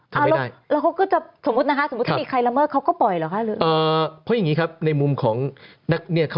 ข้าแล้วเขาก็จับสมมุตินะคะ